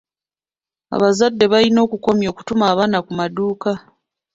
Abazadde balina okukomya okutuma abaana ku maduuka.